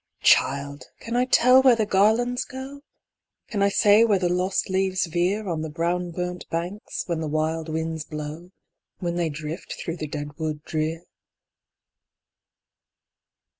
"Child! can I tell where the garlands go? Can I say where the lost leaves veer On the brown burnt banks, when the wild winds blow, When they drift through the dead wood drear?